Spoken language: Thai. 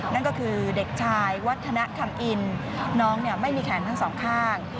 นั่นก็คือเด็กชายวัฒนคำอินน้องไม่มีแขนทั้งสองข้าง